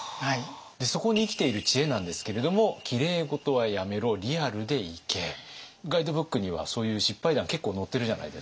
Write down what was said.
そこに生きている知恵なんですけれどもガイドブックにはそういう失敗談結構載ってるじゃないですか。